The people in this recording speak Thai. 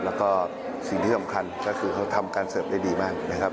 แล้วก็สิ่งที่สำคัญก็คือเขาทำการเสิร์ฟได้ดีมากนะครับ